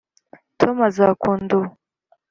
tom azakunda uwo.